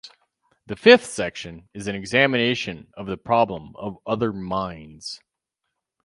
The fifth section is an examination of the problem of other minds.